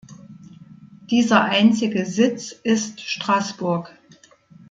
Dieser einzige Sitz ist Straßburg.